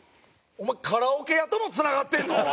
お前カラオケ屋ともつながってるの？